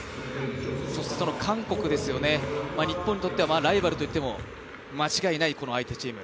そしてその韓国、日本にとってはライバルと言っても間違いないこの相手チーム。